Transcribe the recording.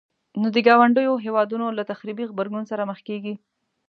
نو د ګاونډيو هيوادونو له تخريبي غبرګون سره مخ کيږي.